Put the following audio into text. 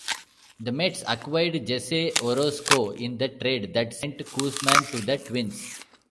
The Mets acquired Jesse Orosco in the trade that sent Koosman to the Twins.